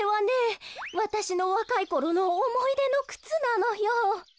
わたしのわかいころのおもいでのくつなのよ。